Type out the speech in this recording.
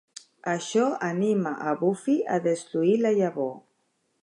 Això anima a Buffy a destruir la llavor.